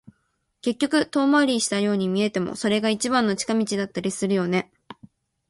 結局、遠回りしたように見えても、それが一番の近道だったりするよね。